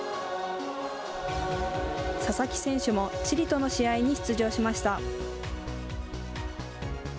佐々木選手も、チリとの試合に出場しました。